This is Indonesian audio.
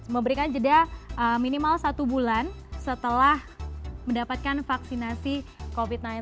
memberikan jeda minimal satu bulan setelah mendapatkan vaksinasi covid sembilan belas